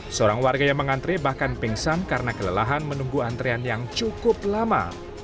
seorang warga yang mengantre bahkan pingsan karena kelelahan menunggu antrean yang cukup lama